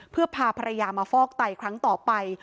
เพื่อพาภรรยามาฟอกไตครั้งต่อไป